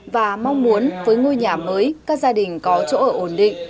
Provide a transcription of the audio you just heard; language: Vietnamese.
và mong muốn với ngôi nhà mới các gia đình có chỗ ở ổn định